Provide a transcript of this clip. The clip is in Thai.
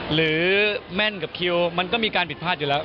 แม่นกับคิวมันก็มีการผิดพลาดอยู่แล้ว